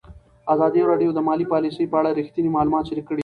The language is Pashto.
ازادي راډیو د مالي پالیسي په اړه رښتیني معلومات شریک کړي.